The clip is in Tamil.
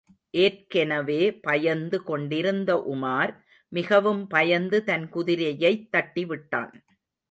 ஏற்கெனவே பயந்து கொண்டிருந்த உமார், மிகவும் பயந்து தன் குதிரையைத் தட்டிவிட்டான்.